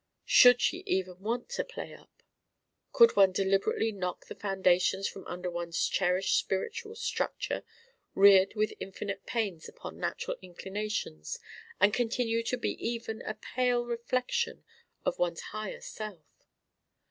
Should she even want to play up? Could one deliberately knock the foundations from under one's cherished spiritual structure, reared with infinite pains upon natural inclinations, and continue to be even a pale reflection of one's higher self?